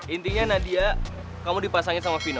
intinya nadia kamu dipasangin sama vina